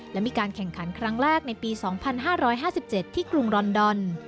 และมีการแข่งขันครั้งแรกในปี๒๕๕๗ที่กรุงรอนดอน